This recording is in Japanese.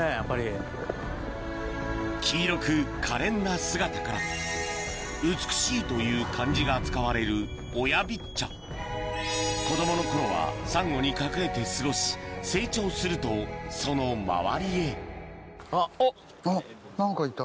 黄色く可憐な姿から「美しい」という漢字が使われる子供の頃はサンゴに隠れて過ごし成長するとその周りへあっ何かいた。